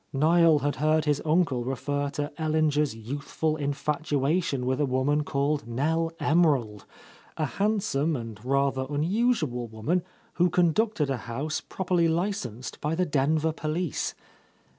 Niel had heard his uncle refer to Ellinger's youthful infatuation with a woman — 49 —' A Lost Lady called Nell Emerald, a handsome and rather un usual woman who conducted a house properly licensed by the Denver police.